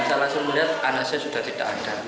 dan saya langsung melihat anak saya sudah tidak ada